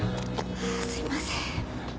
すいません。